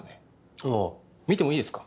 ああ見てもいいですか？